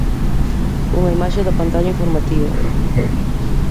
Unha imaxe da pantalla informativa.